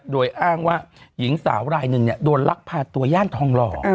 โดยอ้างว่าหญิงสาวรายหนึ่งโดนลักพาตัวย่านทองหล่อ